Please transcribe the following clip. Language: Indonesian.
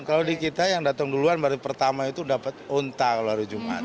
kalau di kita yang datang duluan baru pertama itu dapat unta kalau hari jumat